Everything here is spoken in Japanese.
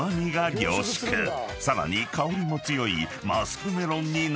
［さらに香りも強いマスクメロンになるのだそう］